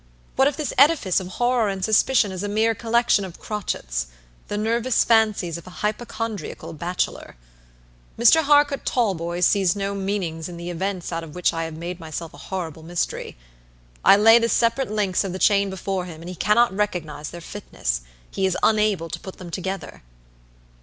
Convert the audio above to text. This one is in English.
What if this edifice of horror and suspicion is a mere collection of crotchetsthe nervous fancies of a hypochondriacal bachelor? Mr. Harcourt Talboys sees no meaning in the events out of which I have made myself a horrible mystery. I lay the separate links of the chain before him, and he cannot recognize their fitness. He is unable to put them together.